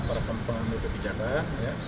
para pemerintah kebijakan